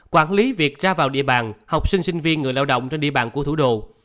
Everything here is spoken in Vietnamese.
quản lý việc ra vào địa bàn học sinh sinh viên người lao động trên địa bàn của thủ đô